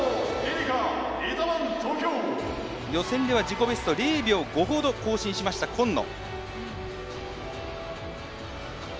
予選では自己ベストを０秒５ほど更新しました、今野。